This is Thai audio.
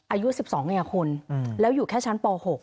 อายุ๑๒ไงคุณแล้วอยู่แค่ชั้นป๖